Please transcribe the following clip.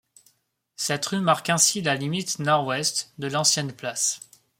Cette rue marque ainsi la limite nord-ouest de l'ancienne place.